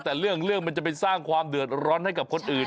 แต่เรื่องมันจะไปสร้างความเดือดร้อนให้กับคนอื่น